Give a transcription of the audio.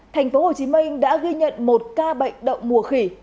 thành phố hồ chí minh đã ghi nhận một ca bệnh động mùa khỉ